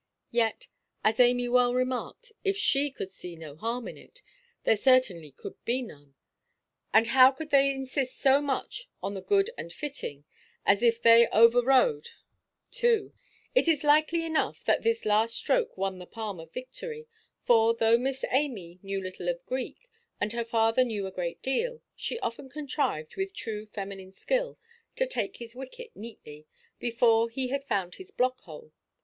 Yet (as Amy well remarked) if she could see no harm in it, there certainly could be none; and how could they insist so much on the καλόν and the πρέπον, as if they over–rode τὸ δέον! It is likely enough that this last stroke won the palm of victory; for, though Miss Amy knew little of Greek, and her father knew a great deal, she often contrived, with true feminine skill, to take his wicket neatly, before he had found his block–hole.